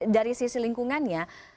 dari sisi lingkungannya